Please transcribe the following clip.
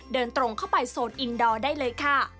เดินตรงเข้าไปโซนอินดอร์ได้เลยค่ะ